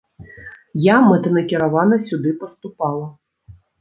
Я мэтанакіравана сюды паступала.